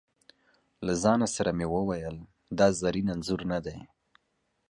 له ځانه سره مې وویل: دا زرین انځور نه دی.